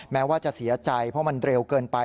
แม้ว่าจะเสียใจเพราะมันเร็วเกินไป